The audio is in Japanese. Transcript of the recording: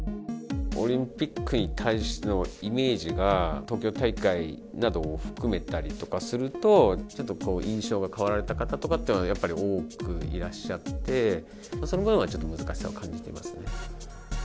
オリンピックに対してのイメージが、東京大会などを含めたりとかすると、ちょっと印象が変わられた方とかっていうのは、やっぱり多くいらっしゃって、その部分はちょっと難しさを感じていますね。